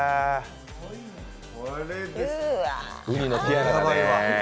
うにのティアラだね。